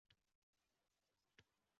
Yelgaymiz, bamisli qushday uchgaymiz!”